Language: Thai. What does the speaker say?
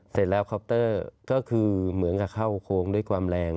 เสร็จแล้วคอปเตอร์ก็คือเหมือนกับเข้าโค้งด้วยความแรง